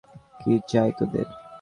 কী চাই তোদের?